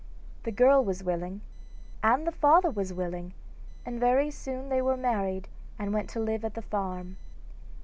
The girl was willing and the father was willing, and very soon they were married and went to live at the farm.